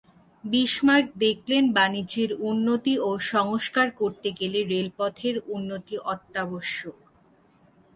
Bismarck দেখলেন বাণিজ্যের উন্নতি ও সংস্কার করতে গেলে রেলপথের উন্নতি অত্যাবশ্যক।